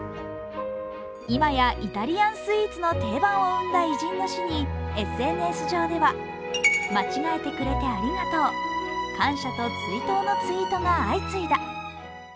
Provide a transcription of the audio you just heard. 今やイタリアンスイーツの定番を生んだ偉人の死にＳＮＳ上では、間違えてくれてありがとう、感謝と追悼のツイートが相次いだ。